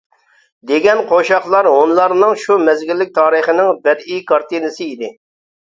دېگەن قوشاقلار ھونلارنىڭ شۇ مەزگىللىك تارىخىنىڭ بەدىئىي كارتىنىسى ئىدى.